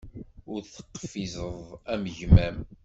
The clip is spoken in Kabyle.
Ur teqfizeḍ am gma-m.